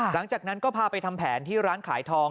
หลังจากนั้นก็พาไปทำแผนที่ร้านขายทอง